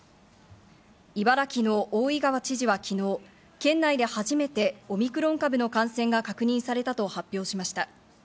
茨城の大井川知事は昨日、県内で初めてオミクロン株の感染が確認されたと発表しました。